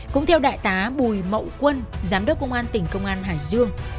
cũng theo đại tá bùi mậu quân giám đốc công an tỉnh công an hải dương